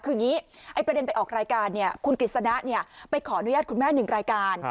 คืออย่างนี้ประเด็นไปออกรายการคุณกฤษณะไปขออนุญาตคุณแม่๑รายการ